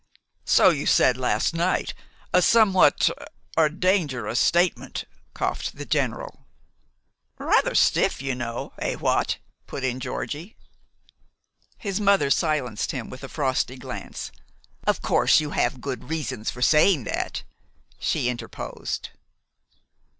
"So you said last night. A somewhat er dangerous statement," coughed the General. "Rather stiff, you know Eh, what?" put in Georgie. His mother silenced him with a frosty glance. "Of course you have good reasons for saying that?" she interposed.